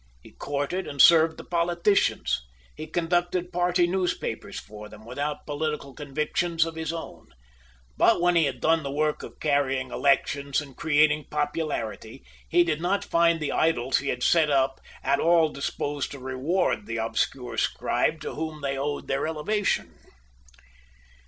He courted and served the politicians. He conducted party newspapers for them, without political convictions of his own. But when he had done the work of carrying elections and creating popularity, he did not find the idols he had set up at all disposed to reward the obscure scribe to whom they owed their elevation.